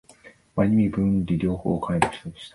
まれにみる文理両方をかねた人でした